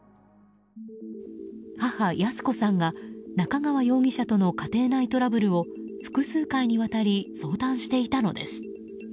母・裕子さんが中川容疑者との家庭内トラブルを複数回にわたり相談していたのです。